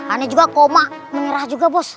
aneh juga koma menyerah juga bos